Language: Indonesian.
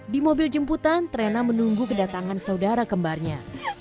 di mobil jemputan trena menunggu kedatangan saudara kembarnya